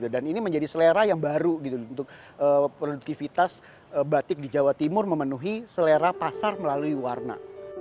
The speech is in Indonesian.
dan ini menjadi selera yang baru untuk produktivitas batik di jawa timur memenuhi selera pasar melalui warna